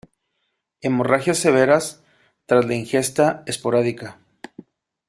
Hemorragias severas tras la ingesta esporádica.